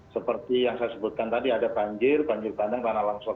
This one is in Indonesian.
seperti yang saya sebutkan tadi ada banjir banjir bandang tanah longsor